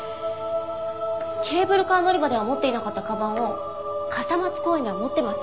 ケーブルカー乗り場では持っていなかった鞄を傘松公園では持ってます。